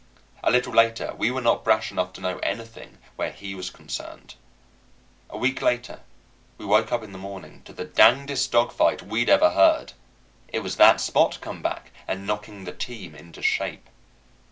A little later we were not brash enough to know anything where he was concerned. A week later we woke up in the morning to the dangedest dog fight we'd ever heard. It was that Spot come back and knocking the team into shape.